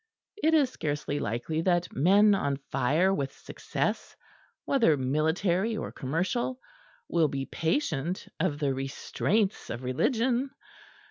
It is scarcely likely that men on fire with success, whether military or commercial, will be patient of the restraints of religion.